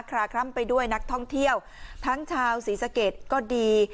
ลาคล่ำไปด้วยนักท่องเที่ยวทั้งชาวศรีสะเกดก็ดี